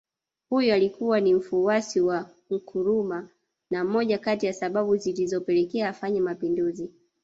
Huyu alikuwa ni mfuasi wa Nkrumah na moja kati ya sababu zilizopelekea afanye Mapinduzi